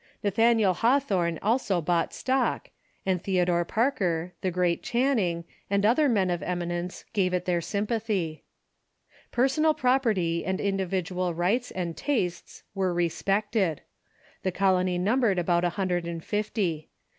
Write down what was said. Nathaniel Hawthorne also bought 37 578 THE CHURCH IN THE UNITED STATES stock, and Theodore Parker, the great Channing, and other men of eminence gave it tlieir sympathy. Personal property and individual rights and tastes were respected. The colony numbered about one hundred and fifty.